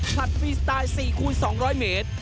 ผลัดฟรีสไตล์๔คูณ๒๐๐เมตร